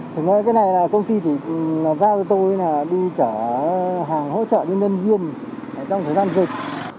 thì nói cái này là công ty chỉ giao cho tôi đi trả hàng hỗ trợ nhân dân viên trong thời gian dịch